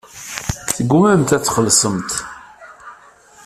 Teggummamt ad txellṣemt.